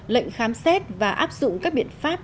lệnh khám xét và áp dụng các biện pháp